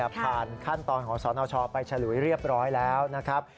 ผ่านขั้นตอนของสนชไปฉลุยเรียบร้อยแล้วนะครับ